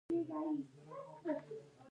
د ایران طبیعت د دې لپاره جوړ دی.